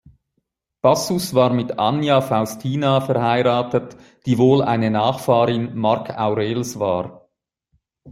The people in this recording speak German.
Bassus war mit Annia Faustina verheiratet, die wohl eine Nachfahrin Mark Aurels war.